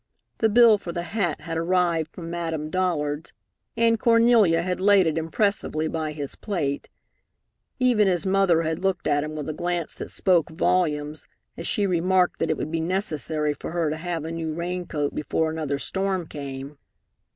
The bill for the hat had arrived from Madame Dollard's, and Cornelia had laid it impressively by his plate. Even his mother had looked at him with a glance that spoke volumes as she remarked that it would be necessary for her to have a new rain coat before another storm came.